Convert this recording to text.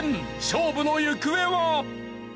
勝負の行方は？